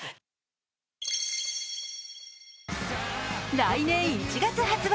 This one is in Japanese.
来年１月発売